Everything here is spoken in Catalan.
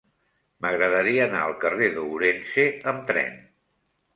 M'agradaria anar al carrer d'Ourense amb tren.